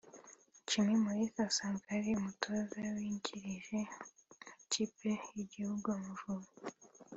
Jimmy Mulisa (hagati) asanzwe ari umutoza wungirije mu ikipe y'igihugu Amavubi